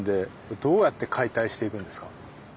どうやって解体していくんですか？